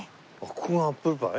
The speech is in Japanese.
ここがアップルパイ？